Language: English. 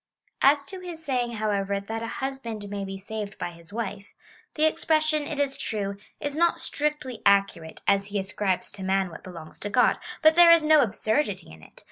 As to his saying, however, that a husband tnay he saved hy his wife, the expression, it is true, is not strictly accurate, as he ascribes to man what belongs to God ; but there is no absurdity in it.